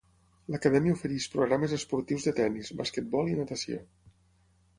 L'Acadèmia ofereix programes esportius de tennis, basquetbol i natació.